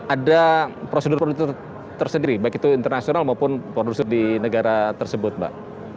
ada prosedur prosedur tersendiri baik itu internasional maupun produser di negara tersebut mbak